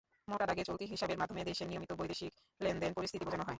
মোটাদাগে চলতি হিসাবের মাধ্যমে দেশের নিয়মিত বৈদেশিক লেনদেন পরিস্থিতি বোঝানো হয়।